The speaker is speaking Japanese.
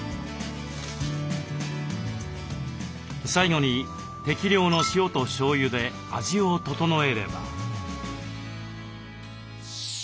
最後に適量の塩としょうゆで味を調えれば。